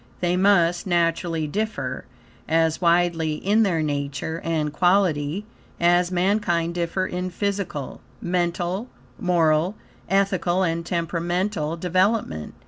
They must naturally differ, as widely in their nature and quality, as mankind differ in physical, mental, moral, ethical, and temperamental, development.